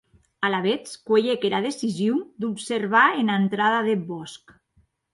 Alavetz cuelhec era decision d’observar ena entrada deth bòsc.